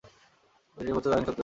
বইটির প্রচ্ছদ আঁকেন সত্যজিৎ রায়।